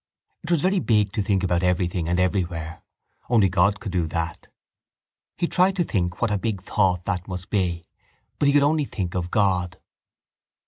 It was very big to think about everything and everywhere. Only God could do that. He tried to think what a big thought that must be but he could only think of God.